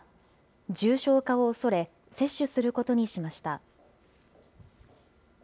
重症化を恐れ、接種することにしました。